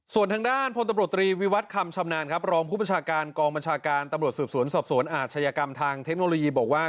ส่วนทางด้านพลตำรวจตรีวิวัตรคำชำนาญครับรองผู้ประชาการกองบัญชาการตำรวจสืบสวนสอบสวนอาชญากรรมทางเทคโนโลยีบอกว่า